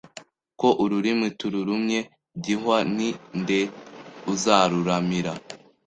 Ko ururimi tururumye gihwa ni nde uzaruramira?